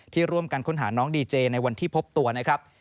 ร่วมกันค้นหาน้องดีเจในวันที่พบตัวนะครับ